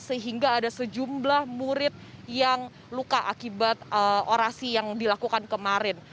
sehingga ada sejumlah murid yang luka akibat orasi yang dilakukan kemarin